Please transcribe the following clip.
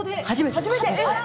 初めて。